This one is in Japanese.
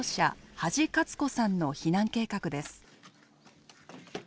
土師勝子さんの避難計画です。